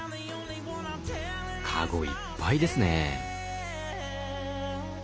カゴいっぱいですね。